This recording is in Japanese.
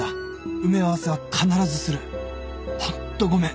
「埋め合わせは必ずする」「ほんとごめん」